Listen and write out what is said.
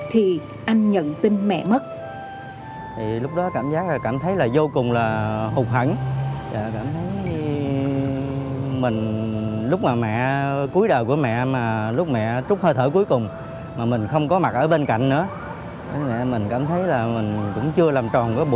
thì anh nhận tin mẹ mất